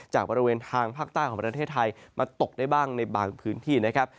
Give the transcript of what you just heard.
จากบริเวณทางภาคใต้ของประเทศไทยมาตกได้บ้างในบางพื้นที่นะครับ